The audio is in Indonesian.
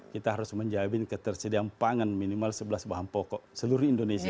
kita harus menjamin ketersediaan pangan minimal sebelas bahan pokok seluruh indonesia